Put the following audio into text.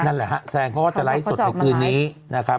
นั่นแหละฮะแซงเขาก็จะไลฟ์สดในคืนนี้นะครับ